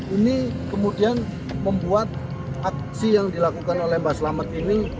ini kemudian membuat aksi yang dilakukan oleh mbak selamat ini